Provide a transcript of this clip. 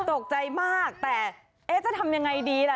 ตกใจมากแต่เอ๊ะจะทำยังไงดีล่ะ